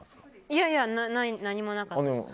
いやいや、何もなかったです。